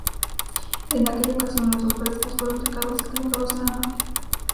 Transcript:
En aquella ocasión los dos frescos fueron sacados y colocados en la nave.